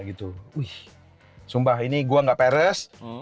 ini gue gak peres